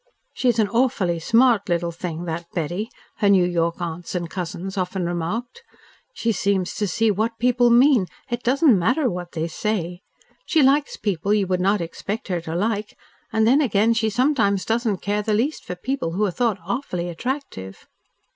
"She's an awfully smart little thing, that Betty," her New York aunts and cousins often remarked. "She seems to see what people mean, it doesn't matter what they say. She likes people you would not expect her to like, and then again she sometimes doesn't care the least for people who are thought awfully attractive."